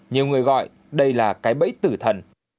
nhiều người gọi đây là cái bẫy tử thần